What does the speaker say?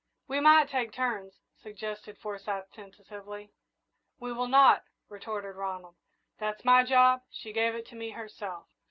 "We might take turns " suggested Forsyth, tentatively. "We will not," retorted Ronald. "That's my job she gave it to me herself."